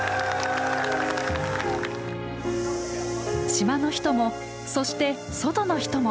島の人もそして外の人も。